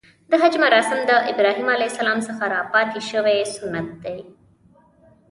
د حج مراسم د ابراهیم ع څخه راپاتې شوی سنت دی .